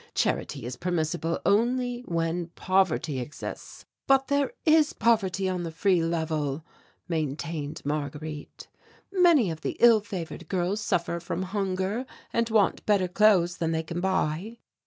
Charity is permissible only when poverty exists." "But there is poverty on the Free Level," maintained Marguerite; "many of the ill favoured girls suffer from hunger and want better clothes than they can buy."